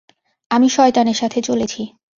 আমি শয়তানের সাথে চলেছি!